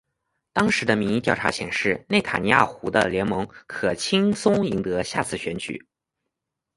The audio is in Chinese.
当时的民意调查显示内塔尼亚胡的联盟可轻松赢得下次选举。